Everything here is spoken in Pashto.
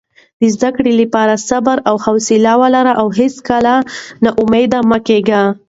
د زده کړې لپاره صبر او حوصله ولره او هیڅکله نا امیده مه کېږه.